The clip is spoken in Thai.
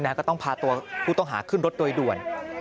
ก็ต้องพาตัวผู้ต้องหาขึ้นรถโดยด่วน